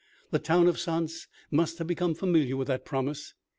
The town of Saintes must have become familiar with that promise.